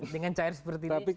dengan cair seperti ini